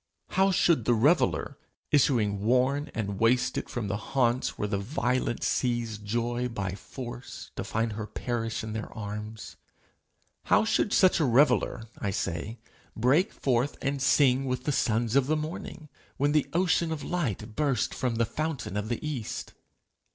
How should the reveller, issuing worn and wasted from the haunts where the violent seize joy by force to find her perish in their arms how should such reveller, I say, break forth and sing with the sons of the morning, when the ocean of light bursts from the fountain of the east?